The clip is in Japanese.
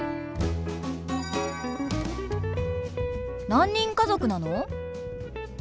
何人家族なの？